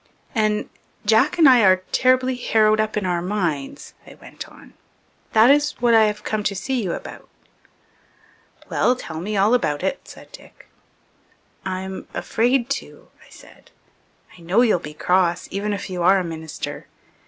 "And Jack and I are terribly harrowed up in our minds," I went on. "That is what I've come up to see you about." "Well, tell me all about it," said Dick. "I'm afraid to," I said. "I know you'll be cross even if you are a minister.